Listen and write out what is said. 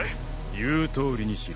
言う通りにしろ。